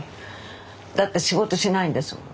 だって仕事しないんですもん。